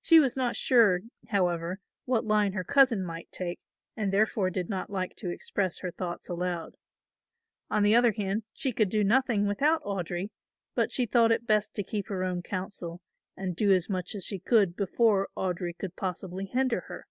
She was not sure, however, what line her cousin might take and therefore did not like to express her thoughts aloud. On the other hand she could do nothing without Audry, but she thought it best to keep her own counsel and do as much as she could before Audry could possibly hinder her.